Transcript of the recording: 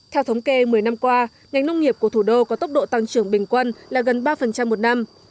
theo thống kê một mươi năm qua ngành nông nghiệp của thủ đô có tốc độ tăng trưởng bình quân là gần ba một năm